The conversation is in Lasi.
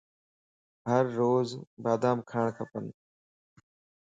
ھر روز بادام کاڻ کپن